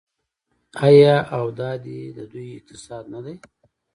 آیا او دا دی د دوی اقتصاد نه دی؟